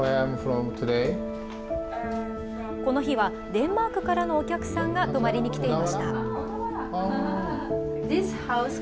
デンマークからのお客さんが泊まりに来ていました。